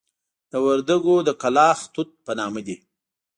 د وردکو د کلاخ توت په نامه دي.